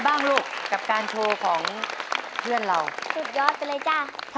ให้ลบขึ้นสะปัดเซ็นเบอร์ไรเซ็นเบอร์ไรจำไว้อ่ะ